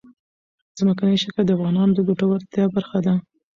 ځمکنی شکل د افغانانو د ګټورتیا برخه ده.